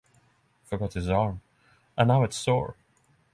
Forgot this arm; and it's sore.